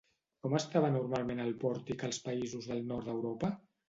Com estava normalment el pòrtic als països del Nord d'Europa?